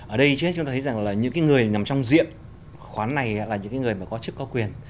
ở đây chúng tôi thấy rằng là những người nằm trong diện khoán này là những người có chức có quyền